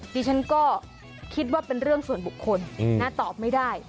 ดิฉันก็คิดว่าเป็นเรื่องส่วนบุคคลนะตอบไม่ได้